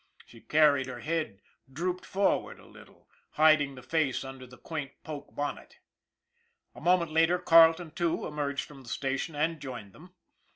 She carried her head drooped for ward a little, hiding the face under the quaint poke bonnet. A moment later Carleton, too, emerged from the station and joined them.